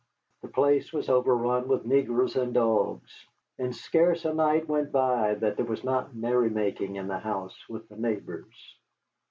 The place was overrun with negroes and dogs, and scarce a night went by that there was not merrymaking in the house with the neighbors.